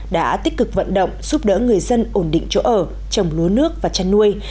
đã tích cực vận động giúp đỡ người dân ổn định chỗ ở trồng lúa nước và chăn nuôi